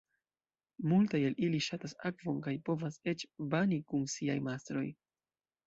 Multaj el ili ŝatas akvon kaj povas eĉ bani kun siaj mastroj.